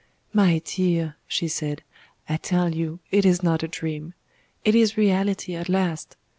"My dear," she said, "I tell you it is not a dream. It is reality at last.